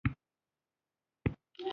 سترگې يې وړې وړې او خوله يې لويه وه.